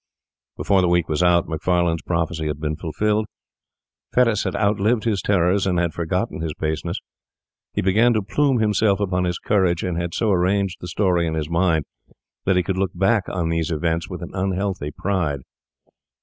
Before the week was out Macfarlane's prophecy had been fulfilled. Fettes had outlived his terrors and had forgotten his baseness. He began to plume himself upon his courage, and had so arranged the story in his mind that he could look back on these events with an unhealthy pride.